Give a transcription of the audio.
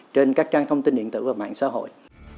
trên các trang thông tin điện tử và mạng xã hội